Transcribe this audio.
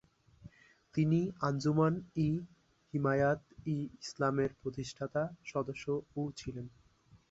তিনি আঞ্জুমান-ই-হিমায়াত-ই-ইসলামের প্রতিষ্ঠাতা সদস্যও ছিলেন।